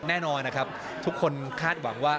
แน่นอนนะครับทุกคนคาดหวังว่า